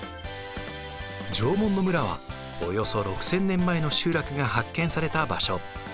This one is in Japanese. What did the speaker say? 縄文の村はおよそ６，０００年前の集落が発見された場所。